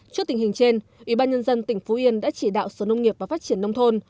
trước tình hình trên ủy ban nhân dân tỉnh phú yên đã chỉ đạo sở nông nghiệp và phát triển nông thôn